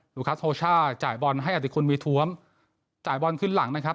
ลูกค้าโทช่าจ่ายบอลให้อธิคุณวีทวมจ่ายบอลขึ้นหลังนะครับ